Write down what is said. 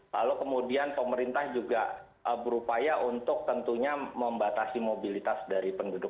lalu kemudian pemerintah juga berupaya untuk tentunya membatasi mobilitas dari penduduk